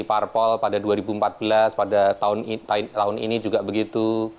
parpol pada dua ribu empat belas pada tahun ini juga begitu